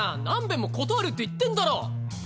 なんべんも断るって言ってんだろ。